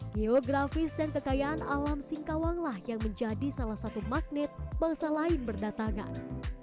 geografis dan kekayaan alam singkawanglah yang menjadi salah satu magnet bangsa lain berdatangan